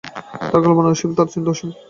তার কল্পনা অসীম, তার চিন্তা অসীম।